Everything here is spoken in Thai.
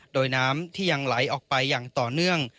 โดยน้ำที่ยังไหลออกไปอย่างต่อเนื่อง